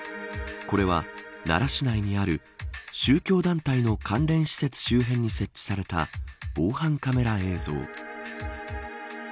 これは奈良市内にある宗教団体の関連施設周辺に設置された防犯カメラ映像。